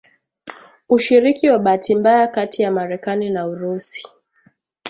ushiriki wa bahati mbaya kati ya Marekani na Urusi